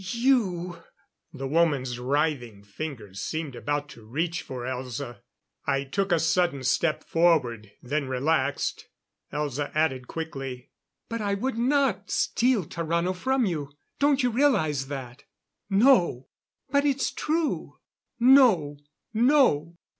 "You " The woman's writhing fingers seemed about to reach for Elza. I took a sudden step forward, then relaxed. Elza added quickly: "But I would not steal Tarrano from you. Don't you realize that?" "No!" "But it's true." "No! No!